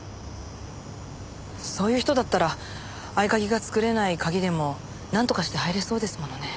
そういう人だったら合鍵が作れない鍵でもなんとかして入れそうですものね。